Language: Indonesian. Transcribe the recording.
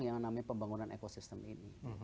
yang namanya pembangunan ekosistem ini